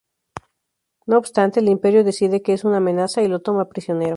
No obstante, el Imperio decide que es una amenaza y lo toma prisionero.